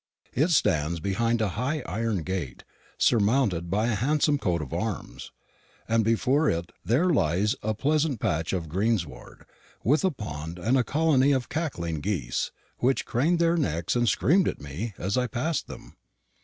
It stands behind a high iron gate, surmounted by a handsome coat of arms; and before it there lies a pleasant patch of greensward, with a pond and a colony of cackling geese, which craned their necks and screamed at me as I passed them.